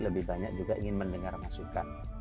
lebih banyak juga ingin mendengar masukan